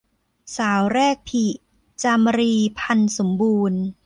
สาวแรกผลิ - จามรี พรรณชมพู